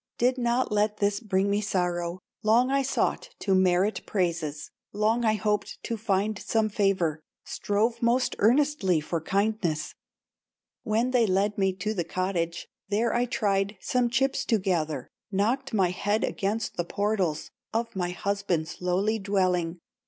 Did not let this bring me sorrow, Long I sought to merit praises, Long I hoped to find some favor, Strove most earnestly for kindness; When they led me to the cottage, There I tried some chips to gather, Knocked my head against the portals Of my husband's lowly dwelling.